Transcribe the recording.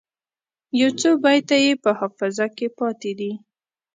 یو څو بیته یې په حافظه کې پاته دي.